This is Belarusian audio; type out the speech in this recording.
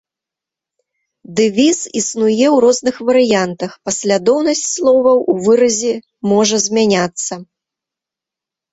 Дэвіз існуе ў розных варыянтах, паслядоўнасць словаў у выразе можа змяняцца.